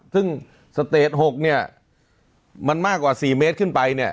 ซึ่งสเตจ๖เนี่ยมันมากกว่า๔เมตรขึ้นไปเนี่ย